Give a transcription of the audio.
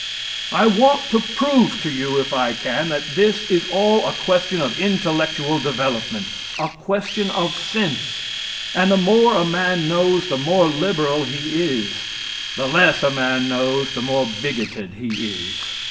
I want to prove to you if I can that this is all a question of intellectual development, a question of sense, and the more a man knows the more liberal he is; the less a man knows the more bigoted he is.